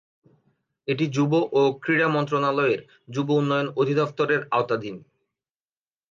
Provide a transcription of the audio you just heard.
এটি যুব ও ক্রীড়া মন্ত্রণালয়ের যুব উন্নয়ন অধিদফতরের আওতাধীন।